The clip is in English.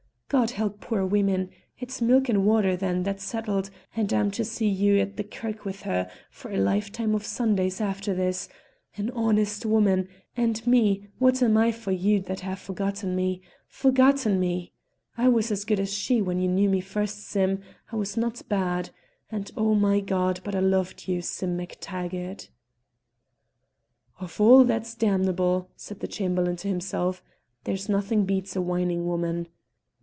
God help poor women! It's Milk and Water then; that's settled, and I'm to see you at the kirk with her for a lifetime of Sundays after this, an honest woman, and me what I am for you that have forgotten me forgotten me! I was as good as she when you knew me first, Sim; I was not bad, and oh, my God! but I loved you, Sim Mac Taggart!" "Of all that's damnable," said the Chamberlain to himself, "there's nothing beats a whining woman!"